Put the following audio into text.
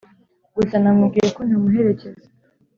gusa namubwiye ko ntamuherekeza